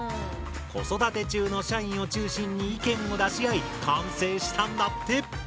子育て中の社員を中心に意見を出し合い完成したんだって。